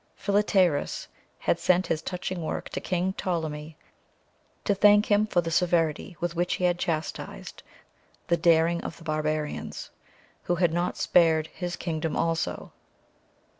Philetaerus had sent this touching work to King Ptolemy to thank him for the severity with which he had chastised the daring of the barbarians, who had not spared his kingdom also.